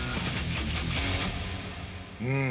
うん。